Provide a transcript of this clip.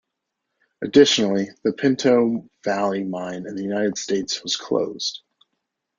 Additionally, the Pinto Valley mine in the United States was closed.